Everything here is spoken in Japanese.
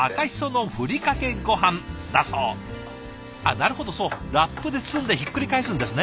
なるほどそうラップで包んでひっくり返すんですね。